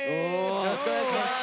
よろしくお願いします。